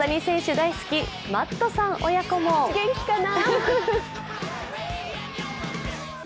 大好きマットさん親子も元気かな。